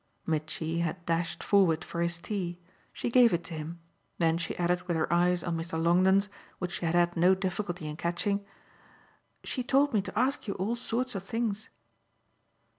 Mitchy had dashed forward for his tea; she gave it to him; then she added with her eyes on Mr. Longdon's, which she had had no difficulty in catching: "She told me to ask you all sorts of things."